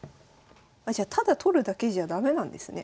あじゃあただ取るだけじゃ駄目なんですね